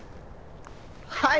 はい！